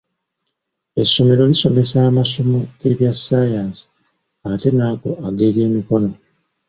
Essomero lisomesa amasomo g'ebya ssayansi ate n'ago ag'ebyemikono